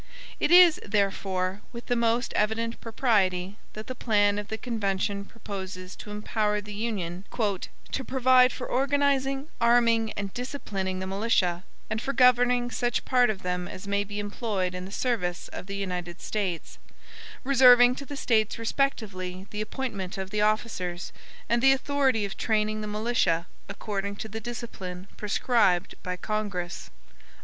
It is, therefore, with the most evident propriety, that the plan of the convention proposes to empower the Union "to provide for organizing, arming, and disciplining the militia, and for governing such part of them as may be employed in the service of the United States, RESERVING TO THE STATES RESPECTIVELY THE APPOINTMENT OF THE OFFICERS, AND THE AUTHORITY OF TRAINING THE MILITIA ACCORDING TO THE DISCIPLINE PRESCRIBED BY CONGRESS."